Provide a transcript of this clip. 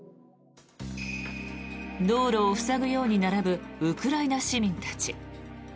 道路を塞ぐように並ぶウクライナ市民たち。